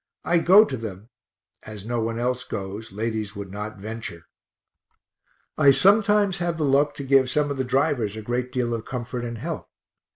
I go to them (as no one else goes; ladies would not venture). I sometimes have the luck to give some of the drivers a great deal of comfort and help.